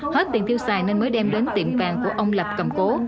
hết tiền tiêu xài nên mới đem đến tiệm vàng của ông lập cầm cố